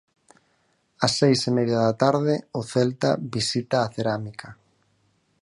Ás seis e media da tarde, o Celta visita a Cerámica.